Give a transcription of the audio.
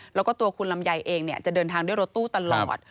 แล้วก็ตัวคุณลำไยเองจะเดินทางด้วยรถตู้ตลอด